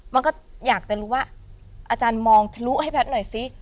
มันก็อยากจะรู้ว่าอาจารย์มองทะลุให้แพทย์หน่อยสิ